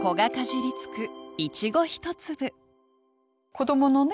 子どものね